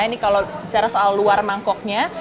ini kalau bicara soal luar mangkoknya